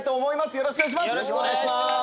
よろしくお願いします。